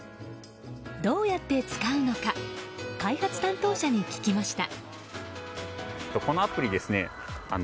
どうやって使うのか開発担当者に聞きました。